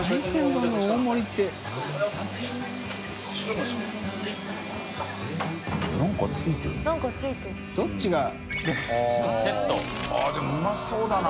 任うまそうだな。